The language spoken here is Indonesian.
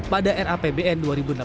pada rapbn dua ribu delapan belas